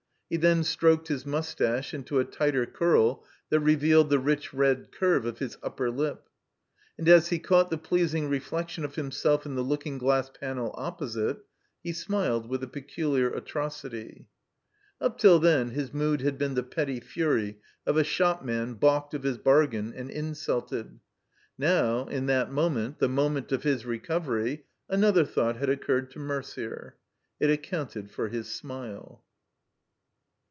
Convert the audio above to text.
He then stroked his mustache into a tighter curl that re vealed the rich red curve of his upper lip. And as he caught the pleasing reflection of himself in the look ing glass panel opposite he smiled with a peculiar atrocity. Up till then his mood had been the petty fury of a shopman balked of his bargain and insulted. Now, in that moment, the moment of his recovery, an other thought had occiured to Mercier. It accounted for his smile.